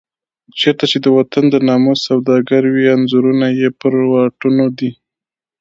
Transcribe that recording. چېرته چې د وطن د ناموس سوداګر وي انځورونه یې پر واټونو دي.